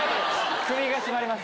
首が絞まります